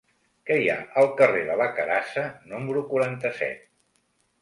Què hi ha al carrer de la Carassa número quaranta-set?